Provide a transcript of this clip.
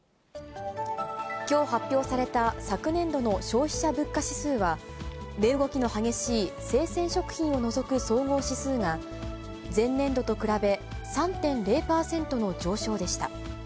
きょう発表された、昨年度の消費者物価指数は、値動きの激しい生鮮食品を除く総合指数が、前年度と比べ３．０％の上昇でした。